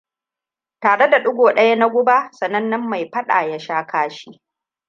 Tare da digo ɗaya na guba, sanannen mai faɗa ya sha kashi.